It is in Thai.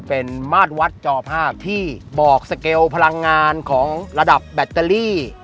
เป็นมาตรวัดจอภาพที่บอกสเกลพลังงานของระดับแบตเตอรี่